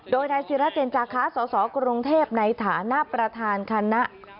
โดยนายศิราเจนจาคะสสกรุงเทพในฐานะประธานคณะ